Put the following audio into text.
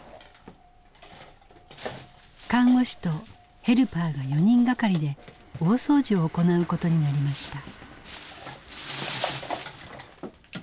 看護師とヘルパーが４人がかりで大掃除を行うことになりました。